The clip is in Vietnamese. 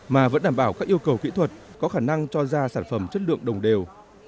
mà vẫn đảm bảo các yêu cầu kỹ thuật có khả năng cho ra sản phẩm chất lượng đồng đều